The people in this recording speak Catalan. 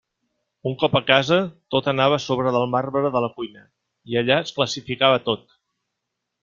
Un cop a casa, tot anava a sobre el marbre de la cuina, i allà es classificava tot.